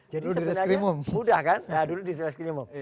jadi sebenarnya udah kan